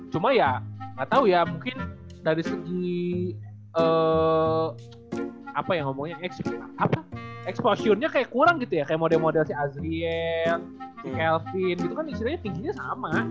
cuma ya gak tau ya mungkin dari segi eee apa yang ngomongnya eksplosi apa eksplosinya kayak kurang gitu ya kayak model model si azriel si kelvin gitu kan istilahnya tingginya sama